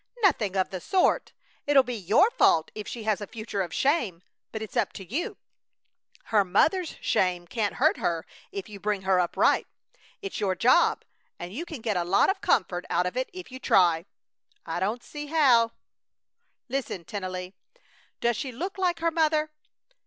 "Nothing of the sort! It'll be your fault if she has a future of shame, but it's up to you. Her mother's shame can't hurt her if you bring her up right. It's your job, and you can get a lot of comfort out of it if you try!" "I don't see how," dully. "Listen, Tennelly. Does she look like her mother?"